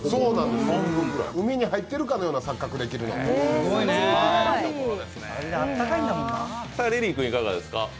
海に入っているかのような錯覚ができます。